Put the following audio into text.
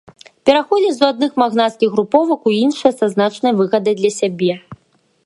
Пераходзіў з адных магнацкіх груповак у іншыя са значнай выгадай для сябе.